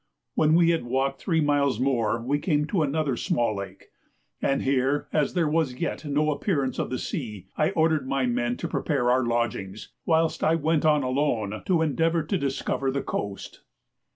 When we had walked three miles more we came to another small lake; and here, as there was yet no appearance of the sea, I ordered my men to prepare our lodgings, whilst I went on alone to endeavour to discover the coast.